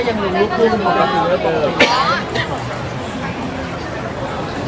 ช่องความหล่อของพี่ต้องการอันนี้นะครับ